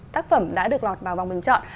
một mươi tác phẩm đã được lọt vào vòng bình chọn